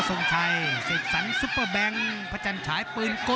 โหโหโหโหโหโหโหโห